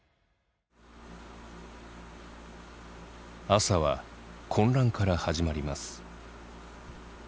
朝は混乱から始まります。